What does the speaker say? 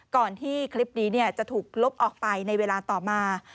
ก่อนที่คลิปนี้จะถูกลบออกไปในเวลาต่อมา